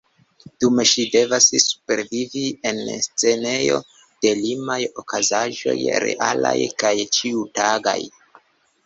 Dume ŝi devas supervivi en scenejo de limaj okazaĵoj, realaj kaj ĉiutagaj.